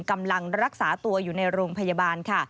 กำลังรักษาตัวอยู่ในโรงพยาบาลค่ะ